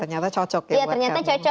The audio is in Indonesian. ternyata cocok ya